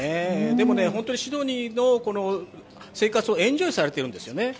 でもね、本当にシドニーの生活をエンジョイされているんですよね？